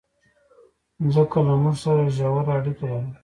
مځکه له موږ سره ژوره اړیکه لري.